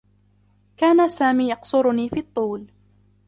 كان سامي يقصرني في الطول.